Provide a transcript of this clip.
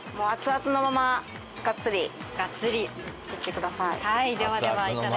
アツアツのままがっつりいってください。